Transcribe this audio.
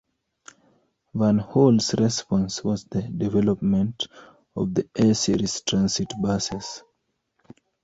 Van Hool's response was the development of the A-series transit buses.